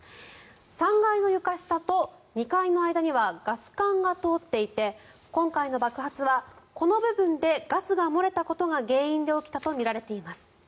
３階の床下と２階の間にはガス管が通っていて今回の爆発はこの部分でガスが漏れたことが原因で起きたとみられています。